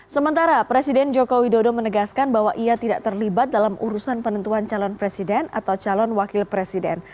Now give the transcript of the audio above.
sementara presiden joko widodo menegaskan bahwa ia tidak terlibat dalam urusan penentuan calon presiden atau calon wakil presiden